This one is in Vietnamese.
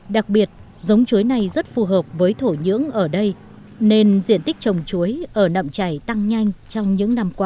đặc biệt giống chuối này rất phù hợp với thổ nhưỡng ở đây nên diện tích trồng chuối ở nậm chảy tăng nhanh trong những năm qua